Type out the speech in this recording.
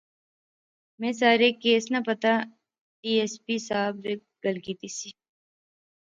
میں سارے کیس ناں پتہ۔۔ ڈی ایس پی صاحب وی گل کیتی سی